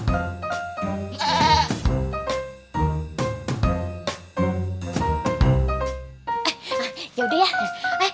eh yaudah ya